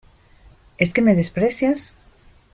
¿ es que me desprecias?